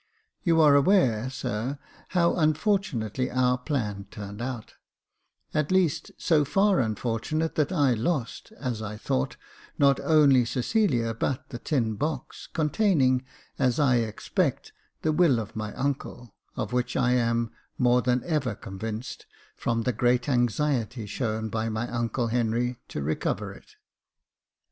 You are aware, sir, how unfortunately our plan turned out — at least, so far unfortunately, that I lost, as I thought, not only Cecilia, but the tin box, containing, as I expect, the will of my uncle, of which I am more than ever convinced from the great anxiety shown by my uncle Henry to recover it.